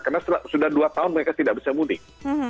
karena sudah dua tahun mereka tidak bisa mudik